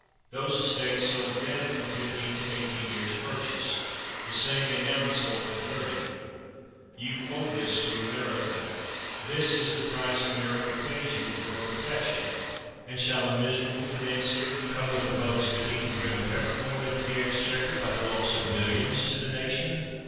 Those estates sold then from fifteen to eighteen years purchase; the same may now be sold for thirty. You owe this to America. This is the price America pays you for her pro tection. And shall a miserable financier come with a boast, that he can bring '' a pepper corn '' into the exchequer by the loss of millions to the nation?